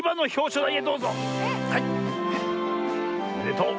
おめでとう。